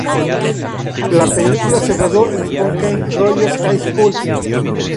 La película se rodó en Spokane Rogers High School.